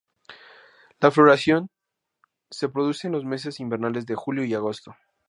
La floración se produce en los meses invernales de julio y agosto.